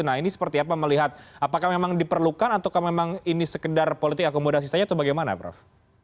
nah ini seperti apa melihat apakah memang diperlukan atau memang ini sekedar politik akomodasi saja atau bagaimana prof